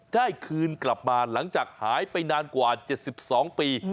คืนกลับมาหลังจากหายไปนานกว่า๗๒ปี